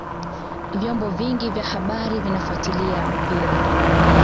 vyombo vingi vya habari vinafuatilia mpira